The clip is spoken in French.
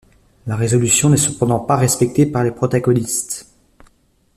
La résolution n'est cependant pas respectée par les protagonistes.